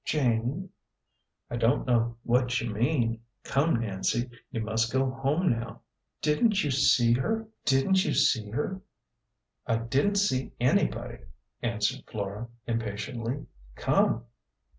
"Jane." " I don't know what you mean. Come, Nancy, you must go home now." "Didn't you see her?" 246 A GENTLE GHOST. "I didn't see anybody," answered Flora, impatiently "Come!"